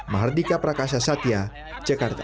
mardika prakasya satya jakarta